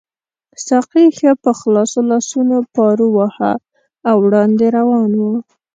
ساقي ښه په خلاصو لاسونو پارو واهه او وړاندې روان وو.